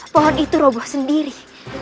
pohon itu roboh sendiri